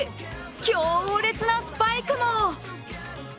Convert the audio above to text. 強烈なスパイクも。